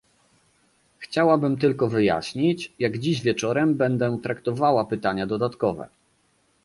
Chciałabym tylko wyjaśnić, jak dziś wieczorem będę traktowała pytania dodatkowe